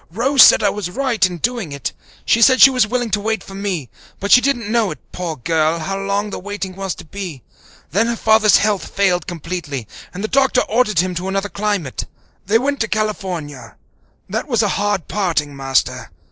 Rose said I was right in doing it. She said she was willing to wait for me, but she didn't know, poor girl, how long the waiting was to be. Then her father's health failed completely, and the doctor ordered him to another climate. They went to California. That was a hard parting, Master.